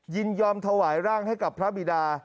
ยินยอมถวายร่างให้กับพระบิดา